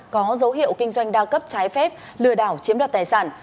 có dấu hiệu kinh doanh đa cấp trái phép lừa đảo chiếm đoạt tài sản